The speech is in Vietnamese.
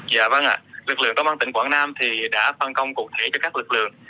dạ vâng ạ lực lượng công an tỉnh quảng nam thì đã phân công cụ thể cho các lực lượng